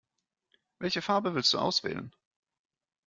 Welche Farbe willst du auswählen?